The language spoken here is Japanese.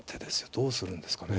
どうするんですかね。